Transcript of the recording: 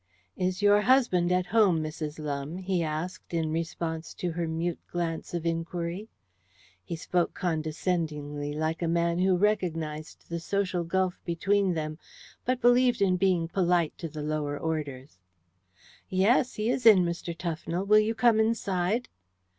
"Is your husband at home, Mrs. Lumbe?" he asked, in response to her mute glance of inquiry. He spoke condescendingly, like a man who recognized the social gulf between them, but believed in being polite to the lower orders. "Yes, he is in, Mr. Tufnell. Will you come inside?"